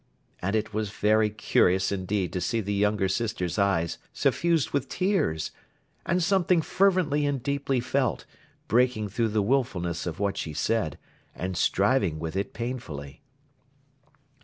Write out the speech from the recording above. And it was very curious indeed to see the younger sister's eyes suffused with tears, and something fervently and deeply felt, breaking through the wilfulness of what she said, and striving with it painfully.